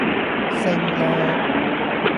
升呢